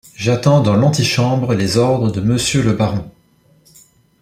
J’atends dans l’entichambre les ordres de monsieur le baron.